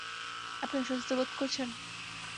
আপনি অসুস্থ বোধ করছেন?